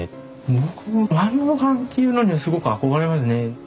僕も「まんのうがん」というのにはすごく憧れますね。